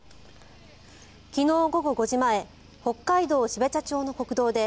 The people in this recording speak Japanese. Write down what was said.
昨日午後５時前北海道標茶町の国道で